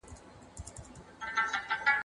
محمدزمان خان په هرات کې د سولې په فکر کې و.